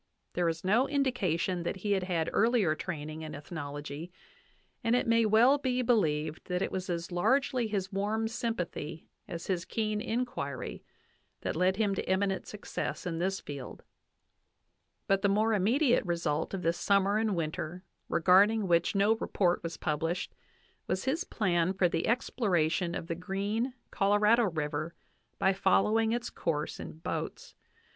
There is no indication that he had had earlier training in ethnology, and it may well be believed that it was as largely his warm sympathy as his keen inquiry that led him to eminent success in this field; but the more immediate result of this summer and winter, regarding which no report was published, was his plan for the exploration of the Green Colorado River by following its course in boats.